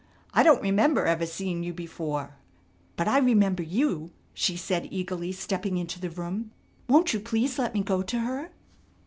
I don't remember ever seeing you before " "But I remember you," she said eagerly stepping into the room, "Won't you please let me go to her?"